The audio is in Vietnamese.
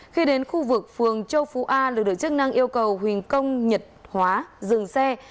khi đến khu vực phường châu phú a lực lượng chức năng yêu cầu huỳnh công nhật hóa dừng xe